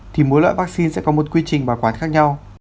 thì mỗi loại vắc xin sẽ có một quy trình bảo quản khác nhau